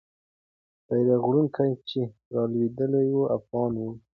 بیرغ وړونکی چې رالوېدلی وو، افغان وو.